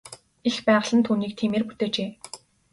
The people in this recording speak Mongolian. Эх байгаль нь түүнийг тиймээр бүтээжээ.